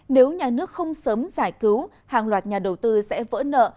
nếu nhà nước không sớm giải cứu hàng loạt nhà đầu tư sẽ vỡ nợ